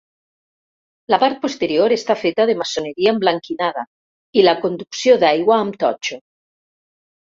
La part posterior està feta de maçoneria emblanquinada i la conducció d'aigua amb totxo.